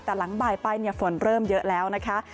แต่หลังบ่ายไปฝนเริ่มเยอะแล้วนะคะ